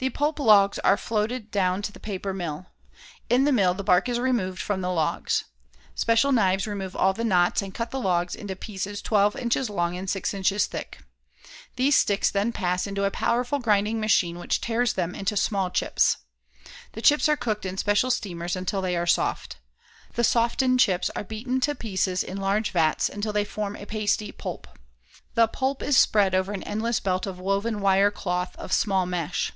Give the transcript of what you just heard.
The pulp logs are floated down to the paper mill. In the mill the bark is removed from the logs. Special knives remove all the knots and cut the logs into pieces twelve inches long and six inches thick. These sticks then pass into a powerful grinding machine which tears them into small chips. The chips are cooked in special steamers until they are soft. The softened chips are beaten to pieces in large vats until they form a pasty pulp. The pulp is spread over an endless belt of woven wire cloth of small mesh.